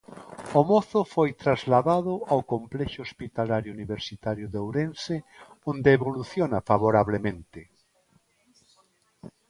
O mozo foi trasladado ao Complexo Hospitalario Universitario de Ourense onde evoluciona favorablemente.